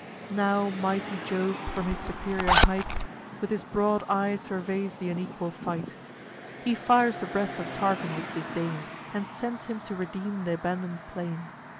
Now mighty Jove, from his superior height, With his broad eye surveys th' unequal fight. He fires the breast of Tarchon with disdain, And sends him to redeem th' abandon'd plain.